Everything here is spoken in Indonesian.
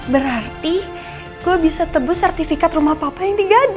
berarti gua bisa tebus sertifikat rumah papa yang digadi